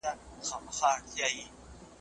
که ته په کور کې بوخت یې.